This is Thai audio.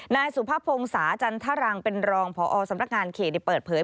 นายสุภพงศาจันทรังเป็นรองพอสำนักงานเขตเปิดเผย